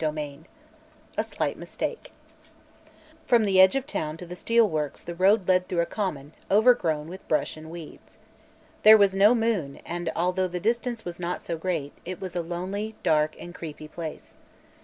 CHAPTER XXII A SLIGHT MISTAKE From the edge of the town to the steel works the road led through a common, overgrown with brush and weeds. There was no moon and although the distance was not great it was a lonely, dark and "creepy" place.